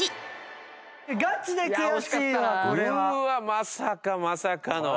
まさかまさかの。